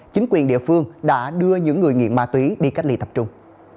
chính quyền địa phương đã đưa những người nghiện ma túy đi cách ly tập trung